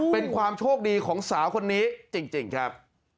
เป็นความโชคดีของสาวคนนี้จริงครับ